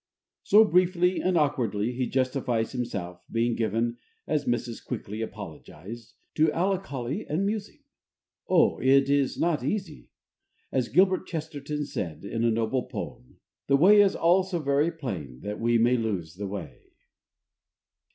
So, briefly and awkwardly, he justifies himself, being given (as Mrs. Quickly apologized) to "allicholy and musing." Oh, it is not easy! As Gilbert Chesterton said, in a noble poem: The way is all so very plain That we may lose the way.